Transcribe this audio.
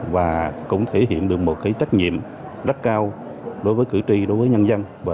và cũng thể hiện được một trách nhiệm rất cao đối với củ chi đối với nhân dân